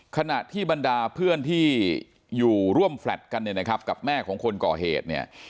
ขณะที่บรรดาเพื่อนที่อยู่ร่วมแฟลตกันเนี่ยนะครับกับแม่ของคนก่อเหตุเนี่ย